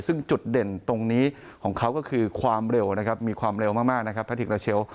ซึ่งจุดเด่นตรงนี้ของเขาก็คือความเร็วนะครับมีความเร็วมากนะครับพระทิกราชเชล